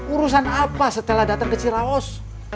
urusan apa setelah datang ke ciraos